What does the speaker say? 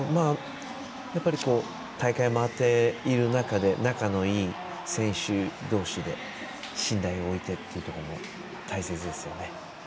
大会を回って仲のいい選手同士で信頼を置いてっていうところも大切ですよね。